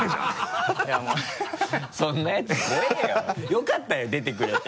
よかったよ出てくれて。